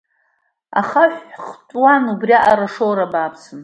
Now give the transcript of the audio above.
Ахаҳә хәтәуан, убриаҟара ашоура бааԥсын.